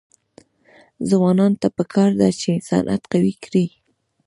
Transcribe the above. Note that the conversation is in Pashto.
ځوانانو ته پکار ده چې، صنعت قوي کړي.